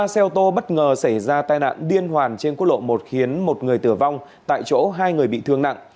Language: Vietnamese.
ba xe ô tô bất ngờ xảy ra tai nạn điên hoàn trên quốc lộ một khiến một người tử vong tại chỗ hai người bị thương nặng